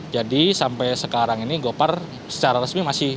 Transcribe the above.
jadi sampai sekarang ini gopar secara resmi masih